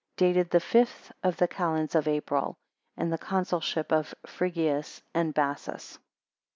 9 Dated the fifth of the calends of April, in the Consulship of Frigius and Bassus.